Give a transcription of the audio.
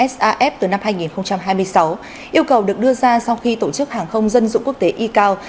s a f từ năm hai nghìn hai mươi sáu yêu cầu được đưa ra sau khi tổ chức hàng không dân dụng quốc tế icao